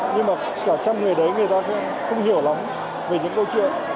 nhưng mà cả trăm người đấy người ta sẽ không hiểu lắm về những câu chuyện